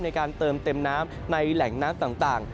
ในการเติมเต็มน้ำในแหล่งน้ำต่าง